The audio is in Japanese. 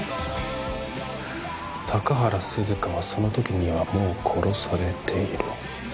高原涼香はその時にはもう殺されている